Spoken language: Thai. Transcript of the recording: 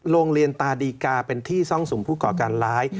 โรงเรียนตาดีกาเป็นที่ซ่องสุมผู้ก่อการร้าย